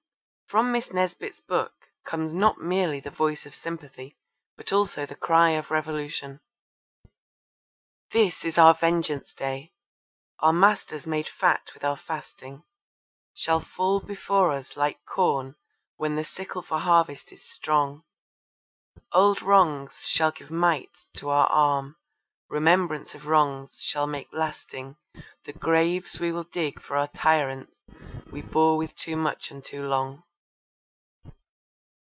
From Miss Nesbit's book comes not merely the voice of sympathy but also the cry of revolution: This is our vengeance day. Our masters made fat with our fasting Shall fall before us like corn when the sickle for harvest is strong: Old wrongs shall give might to our arm, remembrance of wrongs shall make lasting The graves we will dig for our tyrants we bore with too much and too long.